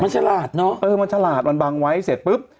มันฉลาดเนอะเออมันฉลาดมันบังไว้เสร็จปุ๊บ